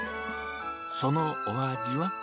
そのお味は？